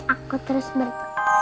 aku terus berp